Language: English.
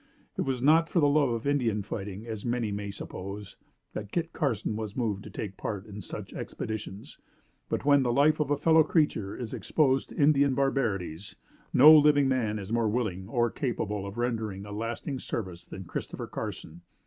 It was not for the love of Indian fighting as many may suppose, that Kit Carson was moved to take part in such expeditions; but, when the life of a fellow creature is exposed to Indian barbarities, no living man is more willing, or more capable of rendering a lasting service than Christopher Carson.